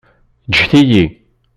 Ǧǧet-iyi.